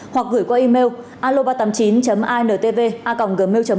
hoặc gửi qua email aloba tám mươi chín intv a gmail com